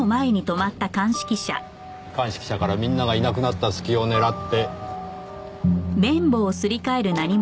鑑識車からみんながいなくなった隙を狙って。